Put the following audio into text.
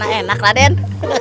kau akan menang